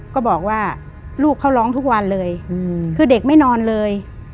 ก็บอกว่าลูกเขาร้องทุกวันเลยคือเด็กไม่นอนเลย